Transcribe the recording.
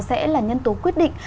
sẽ là nhân tố quyết định